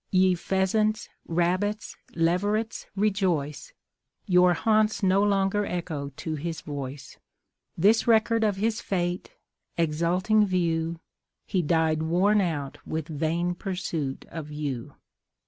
Ye pheasants, rabbits, leverets rejoice, Your haunts no longer echo to his voice; This record of his fate, exulting view He died worn out with vain pursuit of you.